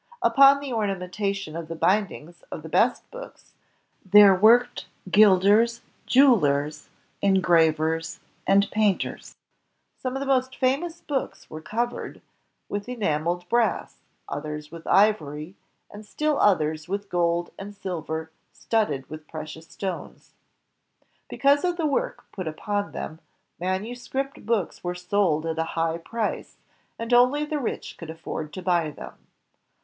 Ujwn the ornamentation of the bindings of the best books, there worked gilders, jewelers, engravers, and painters. Some of the most famous books were covered with enameled UANUSCKIPT BOOK igo INVENTIONS OF PRINTING AND COMMUNICATION brass, others with ivory, and still others with gold and silver studded with precious stones. Because of the work put upon them, manuscript books were sold at a high price, and only the rich could afford to buy them.